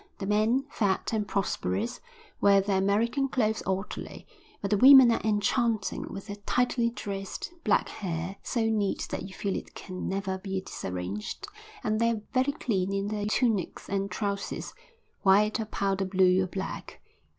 The men, fat and prosperous, wear their American clothes oddly, but the women are enchanting with their tightly dressed black hair, so neat that you feel it can never be disarranged, and they are very clean in their tunics and trousers, white, or powder blue, or black.